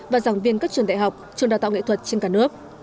và giảng viên các trường đại học trường đào tạo nghệ thuật trên cả nước